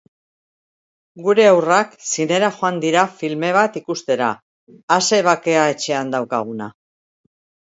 Gure haurrak zinera joan dira filme bat ikustera. A ze bakea etxean daukaguna!